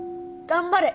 頑張れ！